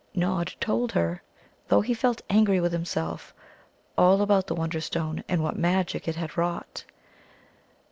Nod told her, though he felt angry with himself, all about the Wonderstone, and what magic it had wrought.